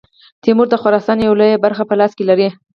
تیمور د خراسان یوه لویه برخه په لاس کې لري.